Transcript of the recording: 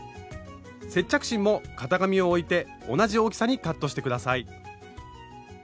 接着芯も型紙を置いて同じ大きさにカットして下さい。